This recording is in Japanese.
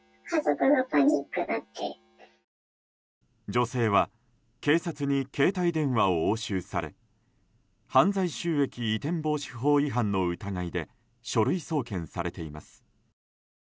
女性は警察に携帯電話を押収され犯罪収益移転防止法違反の疑いで書類送検されています。